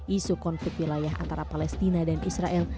isu konflik wilayah antara palestina dan israel